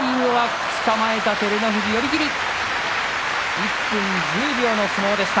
１分１０秒の相撲でした。